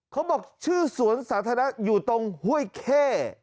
เขาบอกชื่อสวนสาธารณะอยู่ตรงห้วยเข้